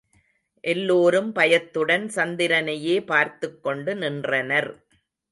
எல்லோரும் பயத்துடன் சந்திரனையே பார்த்துக்கொண்டு நின்றனர்.